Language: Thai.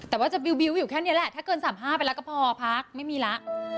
แต่ว่าจะบิ๊วอยู่แค่นี้แหละถ้าเกิน๓๕ไปแล้วก็พอพักไม่มีแล้ว